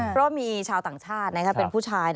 เพราะมีชาวต่างชาติเป็นผู้ชาย